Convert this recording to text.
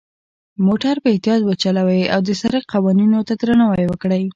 موټر په اختیاط وچلوئ، او د سرک قوانینو ته درناوی وکړئ.